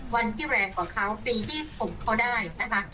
วันที่แรงกว่าเขาปีที่๖เขาได้นะคะ